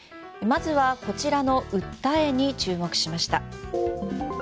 まずはこちらの訴えに注目しました。